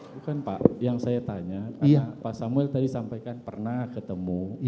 bukan pak yang saya tanya karena pak samuel tadi sampaikan pernah ketemu